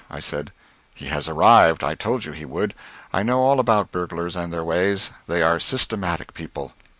I said, "He has arrived. I told you he would. I know all about burglars and their ways. They are systematic people."